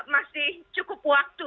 masih cukup waktu